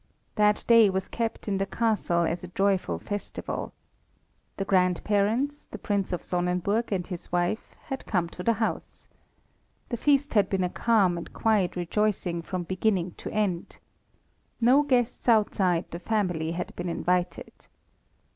That day was kept in the Castle as a joyful festival. The grandparents, the Prince of Sonnenburg and his wife, had come to the house. The feast had been a calm and quiet rejoicing from beginning to end. No guests outside the family had been invited.